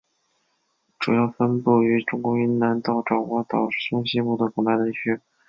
主要分布于中国云南到爪哇岛中西部的广大地区。